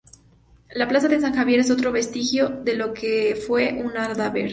La plaza de San Javier es otro vestigio de lo que fue un adarve.